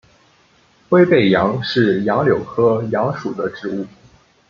灰背杨是杨柳科杨属的植物。